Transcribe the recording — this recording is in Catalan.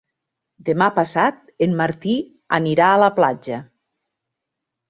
Demà passat en Martí anirà a la platja.